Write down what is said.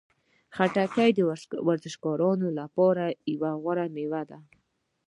خټکی د ورزشکارانو لپاره یوه غوره میوه ده.